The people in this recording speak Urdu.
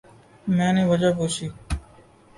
میں نے وجہ پوچھی۔